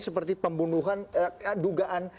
seperti pembunuhan dugaan